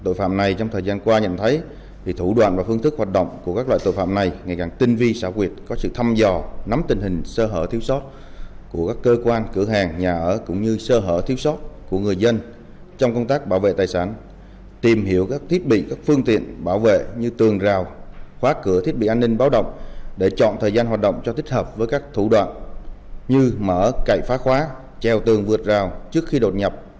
tội phạm này trong thời gian qua nhận thấy thì thủ đoạn và phương thức hoạt động của các loại tội phạm này ngày càng tinh vi xã quyệt có sự thăm dò nắm tình hình sơ hở thiếu sót của các cơ quan cửa hàng nhà ở cũng như sơ hở thiếu sót của người dân trong công tác bảo vệ tài sản tìm hiểu các thiết bị các phương tiện bảo vệ như tường rào khóa cửa thiết bị an ninh báo động để chọn thời gian hoạt động cho thích hợp với các thủ đoạn như mở cậy phá khóa treo tường vượt rào trước khi đột nhập